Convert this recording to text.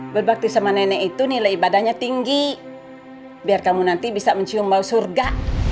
berbakti sama nenek itu nilai ibadahnya tinggi biar kamu nanti bisa mencium bau surga